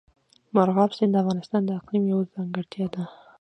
مورغاب سیند د افغانستان د اقلیم یوه ځانګړتیا ده.